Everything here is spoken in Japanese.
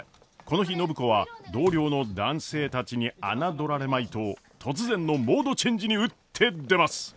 この日暢子は同僚の男性たちに侮られまいと突然のモードチェンジに打って出ます。